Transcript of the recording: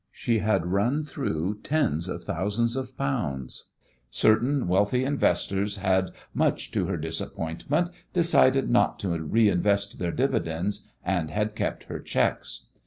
She had run through tens of thousands of pounds. Certain wealthy investors had, much to her disappointment, decided not to reinvest their dividends, and had kept her cheques.